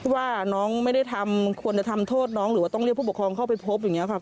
ว่าน้องไม่ได้ทำควรจะทำโทษน้องหรือว่าต้องเรียกผู้ปกครองเข้าไปพบอย่างนี้ค่ะ